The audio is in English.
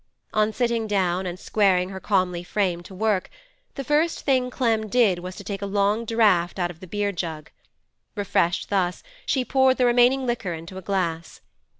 On sitting down and squaring her comely frame to work, the first thing Clem did was to take a long draught out of the beer jug; refreshed thus, she poured the remaining liquor into a glass.